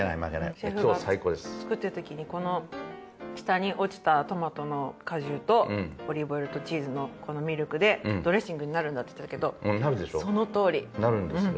シェフが作ってるときにこの下に落ちたトマトの果汁とオリーブオイルとチーズのミルクでドレッシングになるんだって言ってたけどそのとおり。なるんですよ。